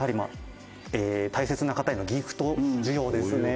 大切な方へのギフト需要ですね」